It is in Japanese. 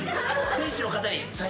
店主の方に。